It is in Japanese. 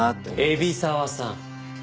海老沢さん。